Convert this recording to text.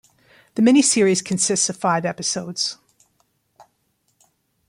The mini-series consists of five episodes.